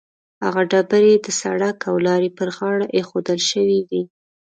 هغه ډبرې د سړک او لارې پر غاړه ایښودل شوې وي.